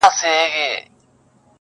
دوه شاهان په مملکت کي نه ځاییږي!